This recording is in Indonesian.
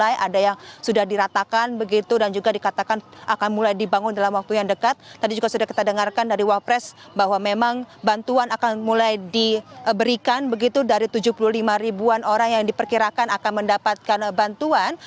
ini juga sudah kita dengarkan dari wawpres bahwa memang bantuan akan mulai diberikan begitu dari tujuh puluh lima ribuan orang yang diperkirakan akan mendapatkan bantuan